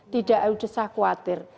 tidak usah khawatir